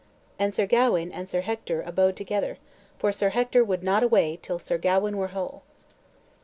And Sir Gawain and Sir Hector abode together, for Sir Hector would not away till Sir Gawain were whole.